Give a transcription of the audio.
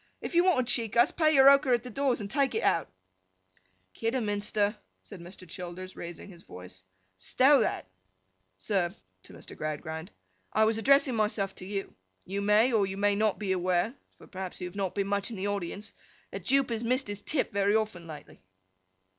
'If you want to cheek us, pay your ochre at the doors and take it out.' 'Kidderminster,' said Mr. Childers, raising his voice, 'stow that!—Sir,' to Mr. Gradgrind, 'I was addressing myself to you. You may or you may not be aware (for perhaps you have not been much in the audience), that Jupe has missed his tip very often, lately.